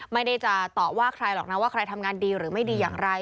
ไม่ได้จะต่อว่าใครหรอกนะว่าใครทำงานดีหรือไม่ดีอย่างไร